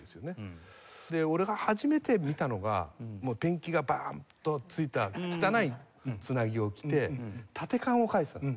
で俺が初めて見たのがもうペンキがバーンと付いた汚いつなぎを着て立て看を描いてたの。